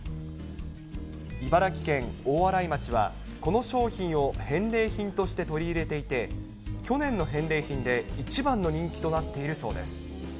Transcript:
茨城県大洗町は、この商品を返礼品として取り入れていて、去年の返礼品で一番の人